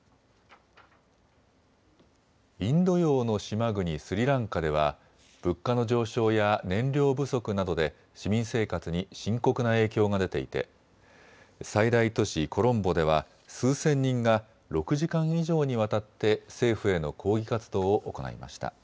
インド洋の島国スリランカでは物価の上昇や燃料不足などで市民生活に深刻な影響が出ていて最大都市コロンボでは数千人が６時間以上にわたって政府への抗議活動を行いました。